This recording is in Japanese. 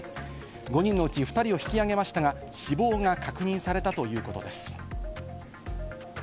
５人のうち２人を引きあげましたが、死亡が確認されたということです。